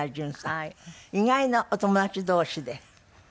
意外なお友達同士で。